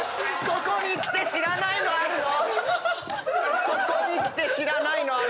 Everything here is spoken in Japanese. ここにきて知らないのあるの？